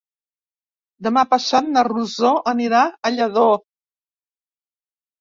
Demà passat na Rosó anirà a Lladó.